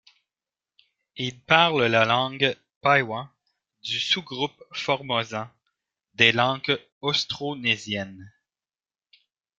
Ils parlent la langue paiwan, du sous-groupe formosan des langues austronésiennes.